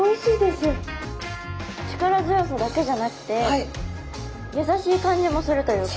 力強さだけじゃなくて優しい感じもするというか。